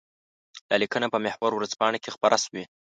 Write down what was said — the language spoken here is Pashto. دا لیکنه په محور ورځپاڼه کې خپره شوې.